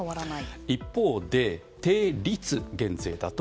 一方で、定率減税だと